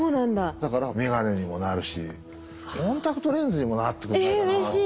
だからめがねにもなるしコンタクトレンズにもなってくれないかなって。